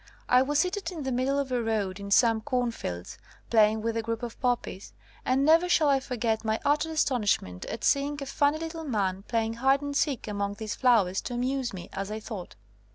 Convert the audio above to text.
I was seated in the middle of a road in some cornfields, playing with a group of poppies, and never shall I forget my utter astonish ment at seeing a funny little man playing hide and seek among these flowers to amuse me, as I thought.